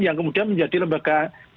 yang kemudian menjadi lembaga